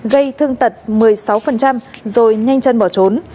gây thương tật một mươi sáu rồi nhanh chân bỏ trốn